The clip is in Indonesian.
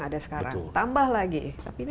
ada sekarang tambah lagi tapi ini